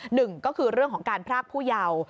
หนึ่งก็คือเรื่องของการพรากผู้เยาว์